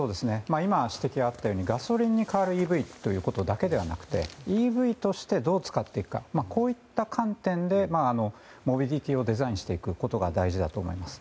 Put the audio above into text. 今、指摘あったようにガソリンに代わるＥＶではなくてＥＶとしてどう使っていくかという観点でモビリティーをデザインしていくことが大事だと思います。